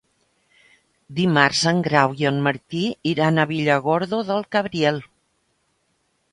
Dimarts en Grau i en Martí iran a Villargordo del Cabriel.